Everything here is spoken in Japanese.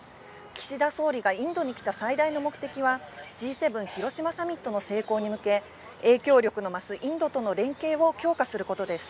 岸田総理がインドに来た最大の目的は、Ｇ７広島サミットの成功に向け、影響力の増すインドとの連携を強化することです。